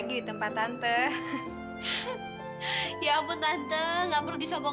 ini aku kendy